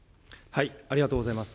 ありがとうございます。